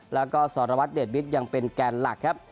แล้วก็สรวัตรเดชวิทย์ยังเป็นแกนหลักครับ